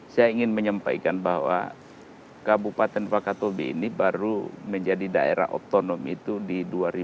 saya ingin menyampaikan bahwa kabupaten wakatobi ini baru menjadi daerah otonom itu di dua ribu dua puluh